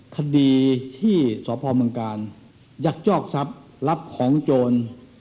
คดีที่สพเมืองกาลยักยอกทรัพย์รับของโจร